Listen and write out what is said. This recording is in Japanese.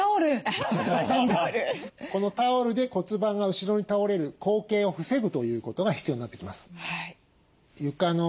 このタオルで骨盤が後ろに倒れる後傾を防ぐということが必要になってきます。